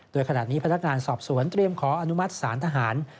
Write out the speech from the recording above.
โดยขณะนี้พนักงานสอบสวนเตรียมขออนุมัติศาลทหาร